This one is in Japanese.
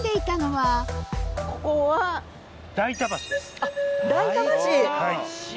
はい。